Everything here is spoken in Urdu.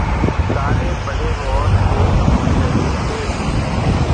سارے بڑے غور سے سن رہے تھے